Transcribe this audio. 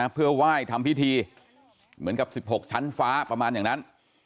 เพื่อไหว้ทำพิธีเหมือนกับ๑๖ชั้นฟ้าประมาณอย่างนั้น